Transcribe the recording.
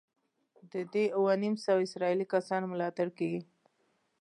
د دې اووه نیم سوه اسرائیلي کسانو ملاتړ کېږي.